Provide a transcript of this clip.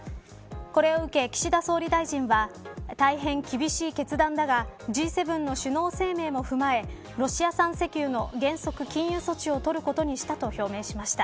これを受け、岸田総理大臣は大変、厳しい決断だがＧ７の首脳声明も踏まえロシア産石油の原則、禁輸措置を取ることにしたと表明しました。